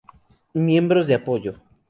Miembros de apoyo